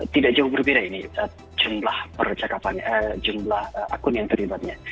tidak jauh berbeda ini jumlah akun yang terlibatnya